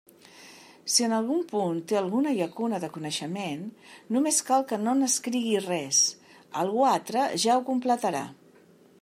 Si en algun punt té alguna llacuna de coneixement, només cal que no n'escrigui res: algú altre ja ho completarà.